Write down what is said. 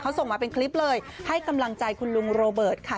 เขาส่งมาเป็นคลิปเลยให้กำลังใจคุณลุงโรเบิร์ตค่ะ